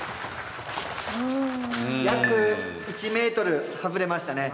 約１ｍ外れましたね。